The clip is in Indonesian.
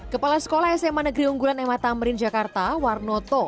kepala sekolah sma negeri unggulan mh tamrin jakarta warnoto